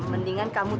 aku akan terus jaga kamu